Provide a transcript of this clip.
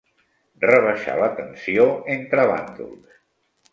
Rebaixar la tensió entre bàndols.